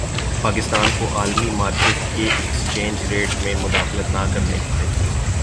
پاکستان کو عالمی مارکیٹ کے ایکسچینج ریٹ میں مداخلت نہ کرنے کی تجویز